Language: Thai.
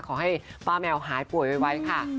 ขอให้ป้าแมวหายป่วยไวค่ะ